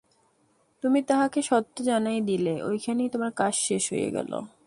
তুমি তাহাকে সত্য জানাইয়া দিলে, ঐখানেই তোমার কাজ শেষ হইয়া গেল।